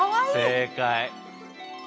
正解。